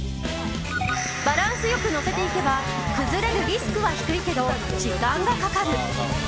バランスよく載せていけば崩れるリスクは低いけど時間がかかる。